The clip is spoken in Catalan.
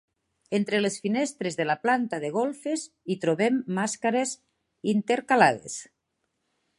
Entre les finestres de la planta de golfes hi trobem màscares intercalades.